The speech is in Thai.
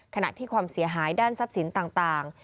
ขณะที่ความเสียหายด้านทรัพย์สินต่าง